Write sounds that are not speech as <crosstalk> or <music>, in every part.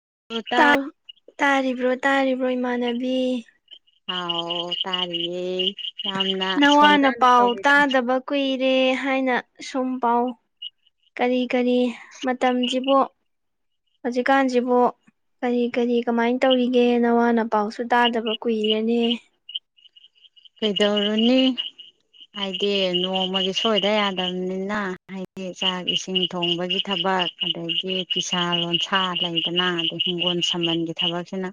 <unintelligible> ꯇꯥꯔꯤꯕ꯭ꯔꯣ ꯇꯥꯔꯤꯕ꯭ꯔꯣ ꯏꯃꯥꯟꯅꯕꯤ꯫ ꯍꯥꯎ ꯇꯔꯤꯌꯦ꯫ ꯅꯋꯥ ꯅꯄꯥꯎ ꯇꯥꯗꯕ ꯀꯨꯏ ꯔꯦ ꯍꯥꯏꯅ ꯁꯨꯝ ꯄꯥꯎ ꯀꯔꯤ ꯀꯔꯤ ꯃꯇꯝꯖꯤꯕꯨ ꯍꯧꯖꯤꯛꯀꯥꯟꯖꯤꯕꯨ ꯀꯔꯤ ꯀꯔꯤ ꯀꯃꯥꯏꯅ ꯇꯧꯔꯤꯒꯦ ꯅꯋꯥ ꯅꯄꯥꯎꯁꯨ ꯇꯥꯗꯕ ꯀꯨꯏꯔꯦꯅꯦ꯫ ꯀꯩꯗꯧꯔꯨꯅꯤ ꯍꯥꯏꯗꯤ ꯅꯣꯡꯃꯒꯤ ꯁꯣꯏꯗ ꯌꯥꯗꯕꯅꯤꯅ ꯍꯥꯏꯗꯤ ꯆꯥꯛ ꯏꯁꯤꯡ ꯊꯣꯡꯕꯒꯤ ꯊꯕꯛ ꯑꯗꯒꯤ ꯐꯤꯁꯥ ꯂꯣꯟꯁꯥ ꯂꯩꯗꯅ ꯑꯗꯩ ꯍꯤꯡꯒꯣꯜ ꯁꯝꯕꯟꯒꯤ ꯊꯕꯛꯁꯤꯅ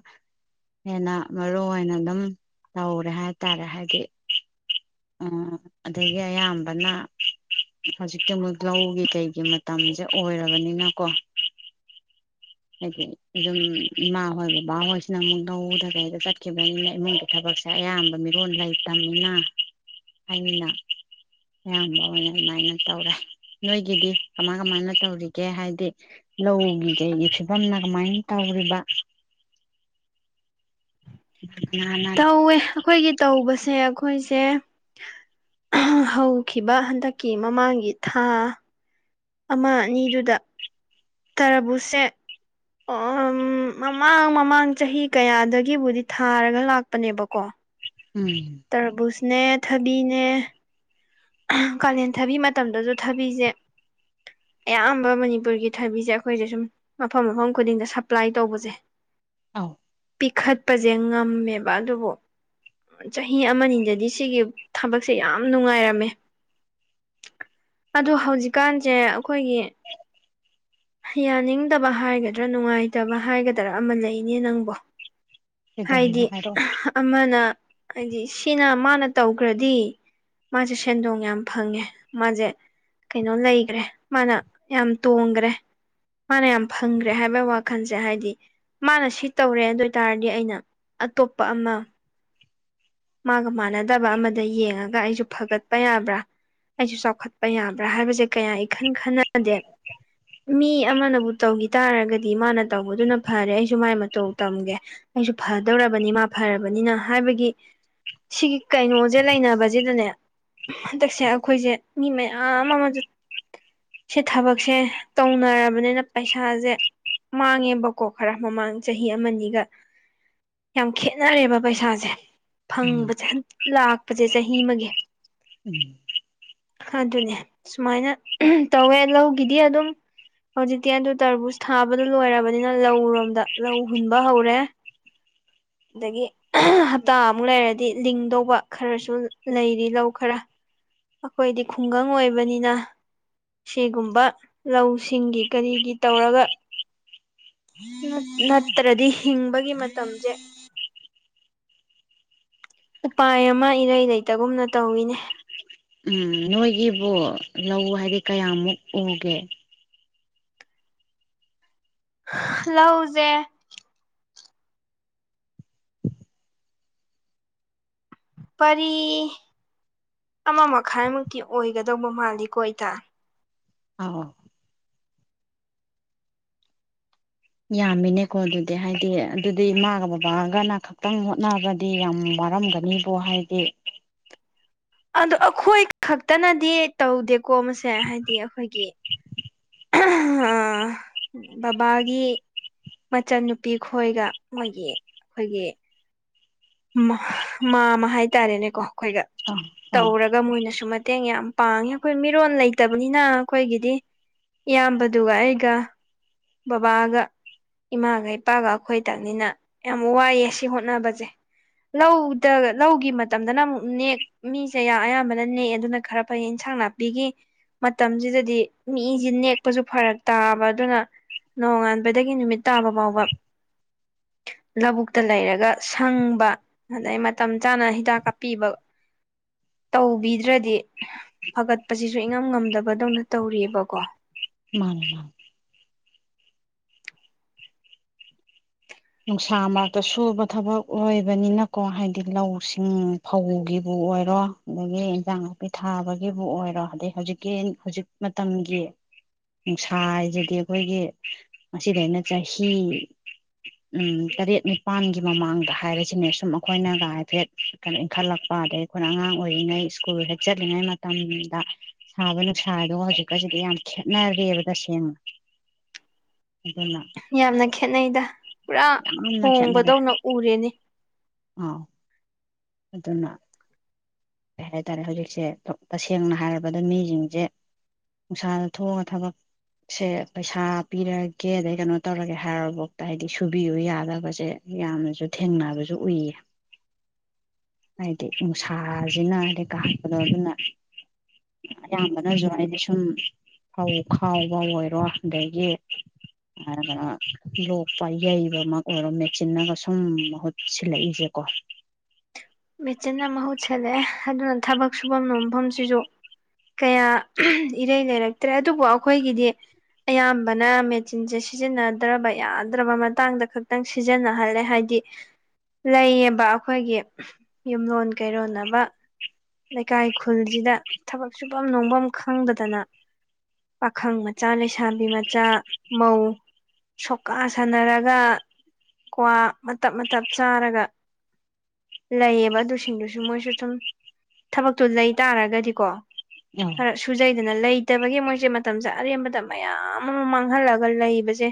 ꯍꯦꯟꯅ ꯃꯔꯨ ꯑꯣꯅ ꯑꯗꯨꯝ ꯇꯧꯔꯦ ꯍꯥꯏ ꯇꯥꯔꯦ ꯍꯥꯏꯗꯤ ꯑꯡ ꯑꯗꯒꯤ ꯑꯌꯥꯝꯕꯅ ꯍꯧꯖꯤꯛꯇꯤ ꯑꯃꯨꯛ ꯂꯧꯒꯤ ꯀꯩꯒꯤ ꯃꯇꯝꯁꯦ ꯑꯣꯏꯔꯕꯅꯤꯅꯀꯣ ꯍꯥꯏꯗꯤ ꯑꯗꯨꯝ ꯏꯃꯥ ꯍꯣꯏ ꯕꯕꯥꯍꯣꯏꯁꯤꯅ ꯑꯃꯨꯛ ꯂꯧꯗ ꯀꯩꯗ ꯆꯠꯈꯤꯕꯅꯤꯅ ꯏꯃꯨꯡꯒꯤ ꯊꯕꯛꯁꯦ ꯑꯌꯥꯝꯕ ꯃꯤꯔꯣꯜ ꯂꯩꯇꯝꯃꯤꯅ ꯑꯩꯅ ꯑꯌꯥꯝꯕ ꯑꯣꯏꯅ ꯑꯗꯨꯃꯥꯏꯅ ꯇꯧꯔꯦ ꯅꯣꯏꯒꯤꯗꯤ ꯀꯃꯥꯏ ꯀꯃꯥꯏꯅ ꯇꯧꯔꯤꯒꯦ ꯍꯥꯏꯗꯤ ꯂꯧꯒꯤ ꯀꯩꯒꯤ ꯐꯤꯕꯝꯅ ꯀꯃꯥꯏ ꯇꯧꯔꯤꯕ ꯎ ꯇꯧꯋꯦ ꯑꯩꯈꯣꯏꯒꯤ ꯇꯧꯕꯁꯦ ꯑꯩꯈꯣꯏꯁꯦ ꯍꯧꯈꯤꯕ ꯍꯟꯗꯛꯀꯤ ꯃꯃꯥꯡꯒꯤ ꯊꯥ ꯑꯃꯥ ꯑꯅꯤꯗꯨꯗ ꯇꯔꯕꯨꯁꯦ ꯑꯣ ꯃꯃꯥꯡ ꯃꯃꯥꯡ ꯆꯍꯤ ꯀꯌꯥꯗꯒꯤꯕꯨꯗꯤ ꯊꯥꯔꯒ ꯂꯥꯛꯄꯅꯦꯕꯀꯣ ꯎꯝ ꯇꯔ ꯕꯨꯁꯅꯦ ꯊꯕꯤꯅꯦ ꯀꯥꯂꯦꯟ ꯊꯕꯤ ꯃꯇꯝꯗꯖꯨ ꯊꯕꯤꯖꯦ ꯑꯌꯥꯝꯕ ꯃꯅꯤꯄꯨꯔꯒꯤ ꯊꯕꯤꯁꯦ ꯑꯩꯈꯣꯏꯁꯦ ꯁꯨꯝ ꯃꯐꯝ ꯃꯐꯝ ꯈꯨꯗꯤꯡꯗ ꯁꯄ꯭ꯂꯥꯏ ꯇꯧꯕꯁꯦ ꯑꯥꯎ ꯄꯤꯈꯠꯄꯁꯦ ꯉꯝꯃꯦꯕ ꯑꯗꯨꯕꯨ ꯆꯍꯤ ꯑꯃꯅꯤꯗꯗꯤ ꯁꯤꯒꯤ ꯊꯕꯛꯁꯦ ꯌꯥꯝ ꯅꯨꯡꯉꯥꯏꯔꯝꯃꯦ ꯑꯣ ꯍꯧꯖꯤꯛꯀꯥꯟꯖꯦ ꯑꯩꯈꯣꯏꯒꯤ ꯌꯥꯅꯤꯡꯗꯕ ꯍꯥꯏꯒꯗ꯭ꯔꯥ ꯅꯨꯡꯉꯥꯏꯇꯕ ꯍꯥꯏꯒꯗ꯭ꯔꯥ ꯑꯃꯥ ꯂꯩꯅꯦ ꯅꯪꯕꯣ ꯀꯩꯗꯧꯔꯤꯅꯣ ꯍꯥꯏꯗꯤ ꯍꯥꯏꯔꯛꯑꯣ ꯑꯃꯅ ꯍꯥꯏꯗꯤ ꯁꯤꯅ ꯃꯥꯅ ꯇꯧꯈ꯭ꯔꯗꯤ ꯃꯥꯁꯦ ꯁꯦꯟꯗꯣꯡ ꯌꯥꯝ ꯐꯪꯉꯦ ꯃꯥꯖꯦ ꯀꯩꯅꯣ ꯂꯩꯈ꯭ꯔꯦ ꯃꯥꯅ ꯌꯥꯝ ꯇꯣꯡꯒꯔꯦ ꯃꯥꯅ ꯌꯥꯝ ꯐꯪꯒꯔꯦ ꯍꯥꯏꯕꯒꯤ ꯋꯥꯈꯜꯁꯦ ꯍꯥꯏꯗꯤ ꯃꯥꯅ ꯁꯤ ꯇꯧꯔꯦ ꯑꯗꯨ ꯑꯣꯏ ꯇꯔꯗꯤ ꯑꯩꯅ ꯑꯇꯣꯞꯄ ꯑꯃ ꯃꯥꯒ ꯃꯥꯅꯗꯕ ꯑꯃꯗ ꯌꯦꯡꯉꯒ ꯑꯩꯁꯨ ꯐꯒꯠꯄ ꯌꯥꯕ꯭ꯔꯥ ꯑꯩꯁꯨ ꯆꯥꯎꯈꯠꯄ ꯌꯥꯕ꯭ꯔꯥ ꯍꯥꯏꯕꯁꯦ ꯀꯌꯥ ꯏꯈꯟ ꯈꯟꯅꯗꯦ ꯃꯤ ꯑꯃꯅꯕꯨ ꯇꯧꯈꯤ ꯇꯥꯔꯒꯗꯤ ꯃꯥꯅ ꯇꯧꯕꯗꯨꯅ ꯐꯔꯦ ꯑꯩꯁꯨ ꯃꯥꯏ ꯃꯇꯧ ꯇꯝꯒꯦ ꯑꯩꯁꯨ ꯐꯗꯧꯔꯕꯅꯤ ꯃꯥ ꯐꯔꯕꯅꯤꯅ ꯍꯥꯏꯕꯒꯤ ꯁꯤꯒꯤ ꯀꯩꯅꯣꯖꯦ ꯂꯩꯅꯕꯁꯤꯗꯅꯦ ꯍꯟꯗꯛꯁꯦ ꯑꯩꯈꯣꯏꯖꯦ ꯃꯤ ꯃꯌꯥꯝ ꯑꯃꯁ ꯁꯤ ꯊꯕꯛꯁꯦ ꯇꯧꯅꯔꯕꯅꯤꯅ ꯄꯩꯁꯥꯖꯦ ꯃꯥꯡꯉꯦꯕꯀꯣ ꯈꯔ ꯃꯃꯥꯡ ꯆꯍꯤ ꯑꯃꯅꯤꯒ ꯌꯥꯝ ꯈꯦꯅꯔꯦꯕ ꯄꯩꯁꯥꯁꯦ ꯎꯝ ꯐꯪꯕꯁꯦ ꯍ ꯂꯥꯛ ꯄꯖꯦ ꯆꯍꯤ ꯑꯃꯒꯤ ꯎꯝ ꯑꯗꯨꯅꯦ ꯁꯨꯃꯥꯏꯅ ꯎꯝ ꯇꯧꯋꯦ ꯂꯧꯒꯤꯗꯤ ꯑꯗꯨꯝ ꯍꯧꯖꯤꯛꯇꯤ ꯑꯗꯨ ꯇꯔꯕꯨꯁ ꯊꯥꯕꯗꯨ ꯂꯣꯏꯔꯕꯅꯤꯅ ꯂꯧꯔꯣꯝꯗ ꯂꯧ ꯍꯨꯟꯕ ꯍꯧꯔꯦ ꯑꯗꯒꯤ ꯍꯞꯇꯥ ꯑꯃꯨꯛ ꯂꯩꯔꯗꯤ ꯂꯤꯡꯗꯧꯕ ꯈꯔꯁꯨ ꯂꯩꯔꯤ ꯂꯧ ꯈꯔ ꯑꯩꯈꯣꯏꯗꯤ ꯈꯨꯡꯒꯪ ꯑꯣꯏꯕꯅꯤꯅ ꯁꯤꯒꯨꯝꯕ ꯂꯧꯁꯤꯡꯒꯤ ꯀꯔꯤꯒꯤ ꯇꯧꯔꯒ ꯅꯠꯇ꯭ꯔꯗꯤ ꯍꯤꯡꯕꯒꯤ ꯃꯇꯝꯖꯦ ꯎꯄꯥꯏ ꯑꯃ ꯏꯔꯩ ꯂꯩꯇꯒꯨꯝꯅ ꯇꯧꯋꯤꯅꯦ ꯎꯝ ꯅꯣꯏꯒꯤꯕꯨ ꯂꯧ ꯍꯥꯏꯗꯤ ꯀꯌꯥꯃꯨꯛ ꯎꯒꯦ ꯂꯧꯖꯦ ꯄꯔꯤ ꯑꯃ ꯃꯈꯥꯏꯃꯨꯛꯇꯤ ꯑꯣꯏꯒꯗꯕ ꯃꯥꯜꯂꯤꯀꯣ ꯏꯇꯥ ꯑꯧ ꯌꯥꯝꯃꯤꯅꯦꯀꯣ ꯑꯗꯨꯗꯤ ꯍꯥꯏꯗꯤ ꯑꯗꯨꯗꯤ ꯃꯥꯥꯒ ꯕꯕꯥꯒꯅ ꯈꯛꯇꯪ ꯍꯣꯠꯅꯔꯗꯤ ꯌꯥꯝ ꯋꯥꯔꯝꯒꯅꯤꯕ ꯍꯥꯏꯗꯤ ꯑꯗꯣ ꯑꯈꯣꯏ ꯈꯛꯇꯅꯗꯤ ꯇꯧꯗꯦ ꯀꯣꯝꯕꯁꯦ ꯍꯥꯏꯗꯤ ꯑꯈꯣꯏꯒꯤ ꯑꯥ ꯕꯕꯥꯒꯤ ꯃꯆꯟꯅꯨꯄꯤ ꯈꯣꯏꯒ ꯃꯣꯏꯒꯤ ꯑꯩꯈꯣꯏꯒꯤ ꯃꯥꯃ ꯍꯥꯏꯇꯥꯔꯦꯅꯦꯀꯣ ꯑꯩꯈꯣꯏꯒ ꯑꯥ ꯑꯥ ꯇꯧꯔꯒ ꯃꯣꯏꯅꯁꯨ ꯃꯠ ꯇꯦꯡ ꯌꯥꯝ ꯄꯥꯡꯉꯦ ꯑꯩꯈꯣꯏ ꯃꯤꯔꯣ ꯂꯩꯇꯕꯅꯤꯅ ꯑꯩꯈꯣꯏꯒꯤꯗꯤ ꯏꯌꯥꯝꯕꯗꯨꯒ ꯑꯩꯒ ꯕꯕꯥꯒ ꯏꯃꯥꯒ ꯏꯄꯥꯒ ꯑꯩꯈꯣꯏ ꯇꯥꯅꯤꯅ ꯌꯥꯝ ꯋꯥꯏꯑꯦ ꯁꯤ ꯍꯣꯠꯅꯕꯁꯦ ꯂꯧꯗ ꯂꯧꯒꯤ ꯃꯇꯝꯗꯅ ꯑꯃꯨꯛ ꯅꯦꯛ ꯃꯤꯁꯦ ꯑꯌꯥꯝꯕꯅ ꯅꯦꯛꯑꯦ ꯑꯗꯨꯅ ꯈꯔ ꯐꯩ ꯏꯟꯁꯥꯡ ꯅꯥꯄꯤꯒꯤ ꯃꯇꯝꯁꯤꯗꯗꯤ ꯃꯤꯁꯦ ꯅꯦꯛꯄꯁꯨ ꯐꯔꯛ ꯇꯥꯕ ꯑꯗꯨꯅ ꯅꯣꯡꯉꯥꯟꯕꯗꯒꯤ ꯅꯨꯃꯤꯠ ꯇꯥꯕ ꯐꯥꯎꯕ ꯂꯧꯕꯨꯛꯇ ꯂꯩꯔꯒ ꯁꯪꯕ ꯑꯗꯩ ꯃꯇꯝ ꯆꯥꯅ ꯍꯤꯗꯥꯛ ꯀꯥꯞꯄꯤꯕ ꯇꯧꯕꯤꯗ꯭ꯔꯗꯤ ꯐꯒꯠꯄꯁꯤꯁꯨ ꯏꯉꯝ ꯉꯝꯗꯕꯗꯧꯅ ꯇꯧꯔꯤꯑꯕꯀꯣ ꯃꯥꯟꯅꯤ ꯃꯥꯟꯅꯤ ꯅꯨꯡꯁꯥ ꯃꯔꯛꯇ ꯁꯨꯕ ꯊꯕꯛ ꯑꯣꯏꯕꯅꯤꯅꯀꯣ ꯍꯥꯏꯗꯤ ꯂꯧꯁꯤꯡ ꯐꯧꯒꯤꯕꯨ ꯑꯣꯏꯔꯣ ꯑꯗꯒꯤ ꯏꯟꯖꯥꯡ ꯅꯥꯄꯤ ꯊꯥꯕꯒꯤꯕꯨ ꯑꯣꯏꯔꯣ ꯑꯗꯩ ꯍꯧꯖꯤꯛꯀꯤ ꯍꯧꯖꯤꯛ ꯃꯇꯝꯒꯤ ꯅꯨꯡꯁꯥ ꯍꯥꯏꯁꯤꯗꯤ ꯑꯩꯈꯣꯏꯒꯤ ꯉꯁꯤꯗ ꯑꯩꯅ ꯆꯍꯤ ꯎꯝ ꯇꯔꯦꯠ ꯅꯤꯄꯥꯜꯒꯤ ꯃꯃꯥꯡꯗ ꯍꯥꯏꯔꯤꯁꯤꯅꯦ ꯁꯨꯝ ꯑꯩꯈꯣꯏꯅꯒ ꯍꯥꯏꯐꯦꯠ ꯀꯩꯅꯣ ꯏꯟꯈꯠꯂꯛꯄ ꯑꯗꯒꯤꯩ ꯑꯩꯈꯣꯏꯅ ꯑꯉꯥꯡ ꯑꯣꯏꯔꯤꯉꯩ ꯁ꯭ꯀꯨꯜ ꯍꯦꯦꯛ ꯆꯠꯂꯤꯉꯩ ꯃꯇꯝꯗ ꯁꯥꯕ ꯅꯨꯡꯁꯥꯗꯨꯒ ꯍꯧꯖꯤꯛꯀꯁꯤꯗꯤ ꯌꯥꯝ ꯈꯦꯠꯅꯔꯦꯕ ꯇꯁꯦꯡꯅ ꯑꯗꯨꯅ ꯌꯥꯝꯅ ꯈꯦꯠꯅꯩꯗ ꯄꯨꯔꯥ ꯌꯥꯝꯅ ꯍꯣꯡꯕꯗꯧꯅ ꯎꯔꯦꯅꯦ ꯑꯥ ꯑꯗꯨꯅ ꯀꯩ ꯍꯥꯏꯇꯥꯔꯦ ꯍꯧꯖꯤꯛꯁꯦ ꯇꯁꯦꯡꯅ ꯍꯥꯏꯔꯕꯗ ꯃꯤꯁꯤꯡꯁꯦ ꯅꯨꯡꯁꯥꯗ ꯊꯣꯛꯑꯒ ꯊꯕꯛꯁꯦ ꯄꯩꯁꯥ ꯄꯤꯔꯒꯦ ꯑꯗꯩ ꯀꯩꯅꯣ ꯇꯧꯔꯒꯦ ꯍꯥꯏꯔꯕꯐꯥꯎꯗ ꯍꯥꯏꯗꯤ ꯁꯨꯕꯤꯌꯨ ꯌꯥꯗꯕꯁꯦ ꯌꯥꯝꯅꯁꯨ ꯊꯦꯡꯅꯕꯁꯨ ꯎꯏꯌꯦ ꯍꯥꯏꯗꯤ ꯅꯨꯡꯁꯥ ꯀꯥꯁꯤꯅ ꯍꯥꯏꯗꯤ ꯀꯥꯛꯄꯗꯣ ꯑꯗꯨꯅ ꯑꯌꯥꯝꯕꯅꯁꯨ ꯍꯥꯏꯗꯤ ꯁꯨꯝ ꯐꯧ ꯈꯥꯎꯕ ꯑꯣꯏꯔꯣ ꯑꯗꯒꯤ ꯂꯣꯛꯄ ꯌꯩꯕꯃꯛ ꯑꯣꯏꯔꯣ ꯃꯦꯆꯤꯟꯅꯟꯅꯒ ꯁꯨꯝ ꯃꯍꯨꯠ ꯁꯤꯜꯂꯛꯏꯁꯦꯀꯣ ꯃꯦꯆꯤꯟ ꯑꯃ ꯃꯍꯨꯠꯁꯜꯂꯛꯑꯦ ꯑꯗꯨꯅ ꯊꯕꯛ ꯁꯨꯐꯝ ꯅꯣꯝꯐꯝꯁꯤꯁꯨ ꯀꯌꯥ ꯏꯔꯩ ꯂꯩꯔꯛꯇ꯭ꯔꯦ ꯑꯗꯨꯕꯨ ꯑꯩꯈꯣꯏꯒꯤꯗꯤ ꯑꯌꯥꯝꯕꯅ ꯃꯦꯆꯤꯟꯁꯦ ꯁꯤꯖꯤꯟꯅꯗ꯭ꯔꯕ ꯌꯥꯗ꯭ꯔꯕ ꯃꯇꯥꯡꯗ ꯈꯛꯇꯪ ꯁꯤꯖꯤꯟꯅꯍꯜꯂꯦ ꯍꯥꯏꯗꯤ ꯂꯩꯌꯦꯕ ꯑꯩꯈꯣꯏꯒꯤ ꯌꯨꯝꯂꯣꯟ ꯀꯩꯔꯣꯟꯅꯕ ꯂꯩꯀꯥꯏ ꯈꯨꯜꯁꯤꯗ ꯊꯕꯛ ꯁꯨꯐꯝ ꯅꯣꯝꯐꯝ ꯈꯪꯗꯗꯅ ꯄꯥꯈꯪ ꯃꯆꯥ ꯂꯩꯁꯥꯕꯤ ꯃꯆꯥ ꯃꯧ ꯁꯣꯀꯥ ꯁꯥꯟꯅꯔꯒ ꯀ꯭ꯋꯥ ꯃꯇꯞ ꯃꯇꯞ ꯆꯥꯔꯒ ꯂꯩꯌꯦꯕ ꯑꯗꯨꯁꯤꯡꯗꯨꯁꯨ ꯃꯣꯏꯁꯨ ꯁꯨꯝ ꯊꯕꯛꯇꯨ ꯂꯩ ꯇꯥꯔꯒꯗꯤꯀꯣ ꯑꯣ ꯍꯔ ꯁꯨꯖꯩ ꯑꯗꯨꯅ ꯂꯩꯇꯕꯒꯤ ꯃꯣꯏꯁꯦ ꯃꯇꯝꯁꯦ ꯑꯔꯦꯝꯕꯗ ꯃꯌꯥꯝ ꯑꯃ ꯃꯥꯡꯍꯜꯂꯒ ꯂꯩꯕꯁꯦ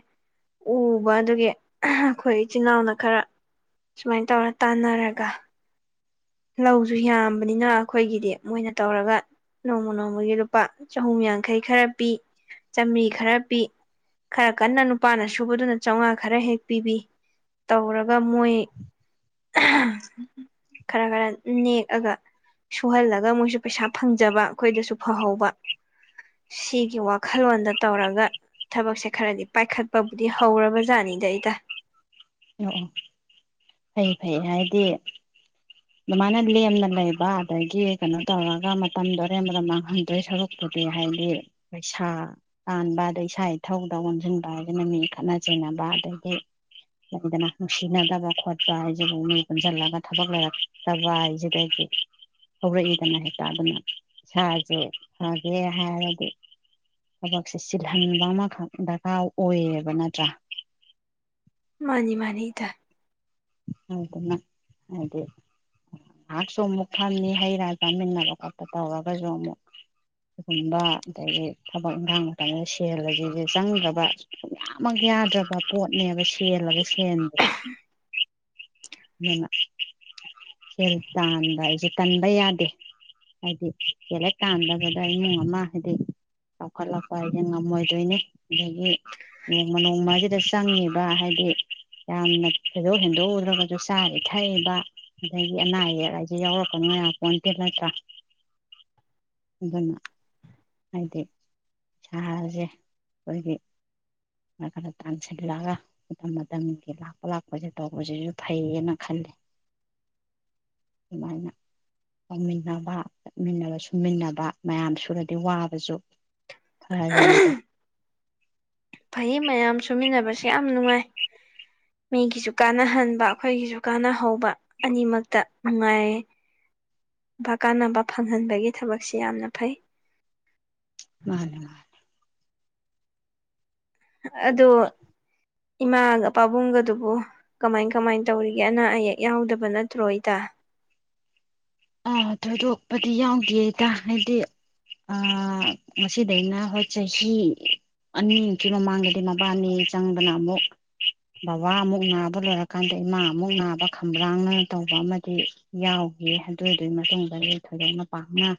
ꯎꯕ ꯑꯗꯨꯒꯤ ꯑꯩꯈꯣꯏ ꯏꯆꯤꯜ ꯏꯅꯥꯎꯅ ꯈꯔ ꯁꯨꯃꯥꯏ ꯇꯧꯔ ꯇꯥꯟꯅꯔꯒ ꯂꯧꯁꯨ ꯌꯥꯝꯕꯅꯤꯅ ꯑꯩꯈꯣꯏꯒꯤꯗꯤ ꯃꯣꯏꯅ ꯇꯧꯔꯒ ꯅꯣꯡꯃ ꯅꯣꯡꯃꯒꯤ ꯂꯨꯄꯥ ꯆꯍꯨꯝ ꯌꯥꯡꯈꯩ ꯈꯔ ꯄꯤ ꯆꯥꯝꯔꯤ ꯈꯔ ꯄꯤ ꯈꯔ ꯀꯟꯅ ꯅꯨꯄꯥꯅ ꯁꯨꯕꯗꯨꯅ ꯆꯥꯝꯃꯉꯥ ꯈꯔ ꯍꯦꯛ ꯄꯤꯕꯤ ꯇꯧꯔꯒ ꯃꯣꯏ ꯈꯔ ꯈꯔ ꯅꯦꯛꯑꯒ ꯁꯨꯍꯜꯂꯒ ꯃꯣꯏꯁꯨ ꯄꯩꯁꯥ ꯐꯪꯖꯕ ꯑꯩꯈꯣꯏꯗꯁꯨ ꯐꯍꯧꯕ ꯁꯤꯒꯤ ꯋꯥꯈꯜꯂꯣꯟꯗ ꯇꯧꯔꯒ ꯊꯕꯛꯁꯦ ꯈꯔꯗꯤ ꯄꯥꯏꯈꯠꯄꯕꯨꯗꯤ ꯍꯧꯔꯕ ꯖꯥꯠꯅꯤꯗꯩꯗ ꯑꯣ ꯑꯣ ꯐꯩ ꯐꯩ ꯍꯥꯏꯗꯤ ꯑꯗꯨꯃꯥꯏꯅ ꯂꯦꯝꯅ ꯂꯩꯕ ꯑꯗꯒꯤ ꯀꯩꯅꯣ ꯇꯧꯔꯒ ꯃꯇꯝꯗꯣ ꯑꯔꯦꯝꯕꯗ ꯃꯥꯡꯍꯟꯗ꯭ꯔꯦ ꯁꯔꯨꯛꯇꯨꯗꯤ ꯍꯥꯏꯗꯤ ꯄꯩꯁꯥ ꯇꯥꯟꯕ ꯑꯗꯩ ꯏꯁꯥ ꯏꯊꯧꯗ ꯑꯣꯟꯁꯤꯟꯕ ꯍꯥꯏꯗꯅ ꯃꯤ ꯈꯠꯅ ꯆꯩꯅꯕ ꯑꯗꯗꯒꯤ ꯂꯩꯗꯅ ꯅꯨꯡꯁꯤꯅꯗꯕ ꯈꯣꯠꯄ ꯍꯥꯏꯁꯤꯕꯨ ꯃꯤ ꯄꯨꯟꯁꯤꯜꯂꯒ ꯊꯕꯛ ꯂꯩꯔꯛ ꯇꯕꯥ ꯍꯥꯏꯁꯤꯗꯒꯤ ꯍꯧꯔꯛꯏꯗꯅ ꯍꯦꯛꯇ ꯑꯗꯨꯅ ꯏꯁꯥꯁꯦ ꯐꯒꯦ ꯍꯥꯏꯔꯗꯤ ꯊꯕꯛꯁꯦ ꯁꯤꯜꯍꯟꯕ ꯑꯃꯈꯛ ꯗꯔꯀꯥꯔ ꯑꯣꯏꯌꯦꯕ ꯅꯠꯇ꯭ꯔꯥ ꯃꯥꯅꯤ ꯃꯥꯅꯤ ꯏꯇ ꯑꯗꯨꯅ ꯍꯥꯏꯗꯤ ꯉꯥꯏꯍꯥꯛꯁꯨ ꯑꯃꯨꯛ ꯐꯝꯃꯤ ꯍꯩ ꯔꯥ ꯄꯥꯃꯤꯟꯅꯕ ꯈꯣꯠꯄ ꯇꯧꯔꯒꯁꯨ ꯑꯃꯨꯛ ꯁꯤꯒꯨꯝꯕ ꯑꯗꯒꯤ ꯊꯕꯛ ꯏꯟꯈꯥꯡ ꯃꯇꯝꯁꯤꯗ ꯁꯦꯜꯂꯁꯤꯁ ꯆꯪꯗ꯭ꯔꯕꯌꯥꯃꯛ ꯌꯥꯗ꯭ꯔꯕ ꯄꯣꯠꯅꯦꯕ ꯁꯦꯜꯂꯒ ꯁꯦꯟꯗꯦ ꯑꯗꯨꯅ ꯁꯦꯂꯦꯠ ꯇꯥꯟꯕ ꯑꯩꯁꯦ ꯀꯟꯕ ꯌꯥꯗꯦ ꯍꯥꯏꯗꯤ ꯁꯦꯂꯦꯠ ꯇꯗꯕꯗ ꯏꯃꯨꯡ ꯑꯃ ꯍꯥꯏꯗꯤ ꯆꯥꯎꯈꯠꯂꯛꯄ ꯍꯥꯏꯁꯦ ꯉꯝꯃꯣꯏꯗꯣꯏꯅꯤ ꯑꯗꯒꯤ ꯅꯣꯡꯃ ꯅꯣꯡꯃꯁꯤꯗ ꯆꯪꯉꯤꯕ ꯍꯥꯏꯗꯤ ꯌꯥꯝꯅ ꯊꯣꯏꯗꯣꯛ ꯍꯦꯟꯗꯣꯛꯎꯗ꯭ꯔꯒ ꯑꯗꯨꯗ ꯆꯥꯕ ꯏꯊꯛꯏꯕ ꯑꯗꯒꯤ ꯑꯅꯥ ꯑꯌꯦꯛ ꯍꯥꯏꯁꯦ ꯌꯥꯎꯔꯛꯄꯅꯅꯨꯡ ꯃꯌꯥ ꯄꯣꯟꯇꯦꯜ ꯅꯠꯇ꯭ꯔꯥ ꯑꯗꯨꯅ ꯍꯥꯏꯗꯤ ꯁꯥꯁꯦ ꯑꯩꯈꯣꯏꯒꯤ ꯈꯔ ꯇꯥꯟꯁꯤꯜꯂꯛꯑꯒ ꯃꯇꯝ ꯃꯇꯝꯒꯤ ꯂꯥꯛꯄ ꯂꯥꯛꯄꯁꯦ ꯇꯧꯕꯁꯤꯁꯨ ꯐꯩꯌꯦꯅ ꯈꯂꯦ ꯑꯗꯨꯃꯥꯏꯅ ꯇꯧꯃꯤꯟꯅꯕ ꯆꯠꯃꯤꯟꯅꯕ ꯁꯨꯝꯃꯤꯟꯅꯕ ꯃꯌꯥꯝ ꯁꯨꯔꯗꯤ ꯋꯥꯕꯁꯨ ꯐꯔꯤꯅꯤꯗꯣ ꯐꯩ ꯃꯌꯥꯝ ꯁꯨꯃꯤꯟꯅꯕꯁꯦ ꯌꯥꯝ ꯅꯨꯡꯉꯥꯏ ꯃꯤꯒꯤꯁꯨ ꯀꯥꯅꯍꯟꯕ ꯑꯩꯈꯣꯏꯒꯤꯁꯨ ꯀꯥꯟꯅꯍꯧꯕ ꯑꯅꯤꯃꯛꯇ ꯅꯨꯡꯉꯥꯏꯌꯦ ꯀꯥꯟꯅꯕ ꯐꯪꯍꯟꯕꯒꯤ ꯊꯕꯛꯁꯤ ꯌꯥꯝꯅ ꯐꯩ ꯃꯥꯅꯦ ꯃꯥꯅꯦ ꯑꯗꯣ ꯏꯃꯥꯒ ꯄꯥꯕꯨꯡꯒꯗꯨꯕꯨ ꯀꯃꯥꯏ ꯀꯃꯥꯏꯅ ꯇꯧꯔꯤꯒꯦ ꯑꯅꯥ ꯑꯌꯦꯛ ꯌꯥꯎꯗꯕ ꯅꯠꯇ꯭ꯔꯣ ꯏꯇꯥ ꯑꯥ ꯊꯣꯏꯗꯣꯛꯄꯗꯤ ꯌꯥꯎꯗꯦꯗ ꯍꯥꯏꯗꯤ ꯉꯁꯤꯗꯩꯅ ꯍꯣꯏ ꯆꯍꯤ ꯑꯅꯤꯃꯨꯛꯀꯤ ꯃꯃꯥꯡꯗꯗꯤ ꯃꯕꯥꯅꯤ ꯆꯪꯗꯅ ꯑꯃꯨꯛ ꯕꯕꯥ ꯑꯃꯨꯛ ꯅꯥꯕ ꯂꯣꯏꯔꯀꯥꯟꯗ ꯏꯃꯥ ꯑꯃꯨꯛ ꯅꯥꯕ ꯈ꯭ꯔꯥꯡꯅ ꯇꯧꯕ ꯑꯃꯗꯤ ꯌꯥꯎꯈꯤ ꯑꯗꯨꯗꯨꯒꯤ ꯃꯇꯨꯡꯗꯗꯤ ꯊꯣꯏꯗꯣꯛꯅ ꯄꯥꯡꯅ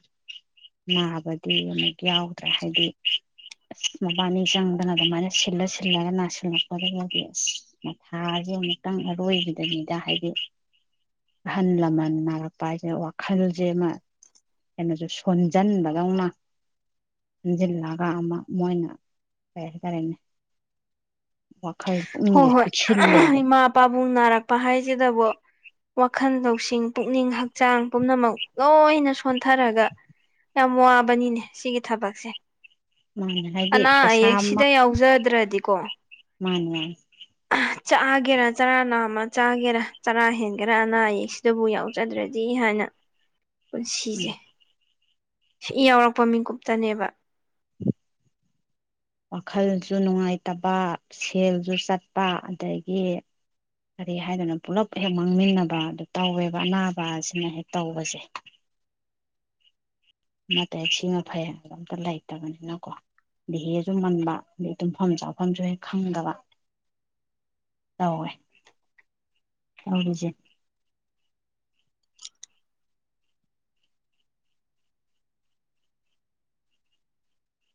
ꯅꯥꯕꯗꯤ ꯑꯃꯨꯛ ꯌꯥꯎꯗ꯭ꯔꯦ ꯍꯥꯏꯗꯤ ꯑꯁ ꯃꯕꯥꯅꯤ ꯆꯪꯗꯅ ꯑꯗꯨꯃꯥꯏꯅ ꯁꯤꯜꯂ ꯁꯤꯜꯂꯒ ꯅꯥꯁꯤꯜꯂꯛꯄꯗꯤ ꯑꯁ ꯃꯊꯥꯁꯦ ꯑꯃꯨꯛꯇꯪ ꯑꯔꯣꯏꯕꯤꯗꯅꯤꯗ ꯍꯥꯏꯗꯤ ꯑꯍꯜ ꯂꯃꯟ ꯅꯥꯔꯛꯄ ꯄꯥꯏꯁꯦ ꯋꯥꯈꯜꯁꯦ ꯑꯃ ꯀꯩꯅꯣꯁꯨ ꯁꯣꯟꯖꯟꯕꯗꯧꯅ ꯍꯟꯖꯤꯜꯂꯒ ꯑꯃ ꯃꯣꯏꯅ ꯀꯩ ꯍꯥꯏꯇꯥꯔꯦꯅꯦ ꯋꯥꯈꯜ ꯍꯣꯏ ꯄꯨꯛꯅꯤꯡꯁꯦ ꯍꯣꯏ ꯄꯤꯛꯁꯤꯜꯂꯦꯕ ꯏꯃꯥ ꯄꯥꯕꯨꯡ ꯅꯥꯔꯛꯄ ꯍꯥꯏꯁꯤꯗꯕꯣ ꯋꯥꯈꯜ ꯂꯧꯁꯤꯡ ꯄꯨꯛꯅꯤꯡ ꯍꯛꯆꯥꯡ ꯄꯨꯝꯅꯃꯛ ꯂꯣꯏꯅ ꯁꯣꯟꯊꯔꯒ ꯌꯥꯝ ꯋꯥꯕꯅꯤꯅꯦ ꯁꯤꯒꯤ ꯊꯕꯛꯁꯦ ꯃꯥꯅ ꯍꯥꯏꯗꯤ ꯑꯅꯥ ꯄꯩꯁꯥ ꯑꯌꯦꯛ ꯁꯤꯗ ꯌꯥꯎꯖꯗ꯭ꯔꯗ ꯀꯣ ꯃꯥꯅꯦ ꯃꯥꯅꯦ ꯆꯥꯒꯦꯔꯥ ꯆꯔꯥ ꯝꯃ ꯆꯥꯒꯦꯔꯥ ꯆꯔꯥ ꯍꯦꯟꯒꯦꯔꯥ ꯑꯅꯥ ꯑꯌꯦꯛꯁꯤꯗꯕꯨ ꯌꯥꯎꯖꯗ꯭ꯔꯗꯤ ꯍꯥꯏꯅ ꯄꯨꯟꯁꯤꯁꯦ ꯎꯝ ꯁꯤ ꯌꯥꯎꯔꯛꯄ ꯃꯤꯀꯨꯞꯇꯅꯦꯕ ꯋꯥꯈꯜꯁꯨ ꯅꯨꯡꯉꯥꯏꯇꯕ ꯁꯦꯜꯁꯨ ꯆꯠꯄ ꯑꯗꯒꯤ ꯀꯔꯤ ꯍꯥꯏꯗꯅ ꯄꯨꯂꯞ ꯍꯦꯛ ꯃꯥꯡꯃꯤꯟꯅꯕ ꯑꯗꯨ ꯇꯧꯋꯦꯕ ꯑꯅꯥꯕ ꯑꯁꯤꯅ ꯍꯦꯛ ꯇꯧꯕꯁꯦ ꯑꯠꯇꯦ ꯁꯤꯅ ꯐꯩ ꯑꯣ ꯑꯝꯇ ꯂꯩꯇꯕꯅꯤꯅꯀꯣ ꯑꯗꯩ ꯍꯦꯁꯨ ꯃꯟꯕ ꯑꯗꯩ ꯇꯨꯝꯐꯝ ꯆꯥꯐꯝꯁꯨ ꯍꯦꯛ ꯈꯪꯗꯕ ꯇꯧꯋꯦ ꯇꯧꯔꯤꯁꯦ